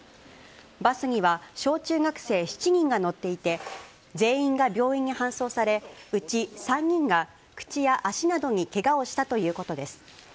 バスには小中学生７人が乗っていて、全員が病院に搬送され、うち３人が口や足などにけがをしたということです。